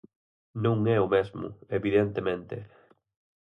Non é o mesmo, evidentemente.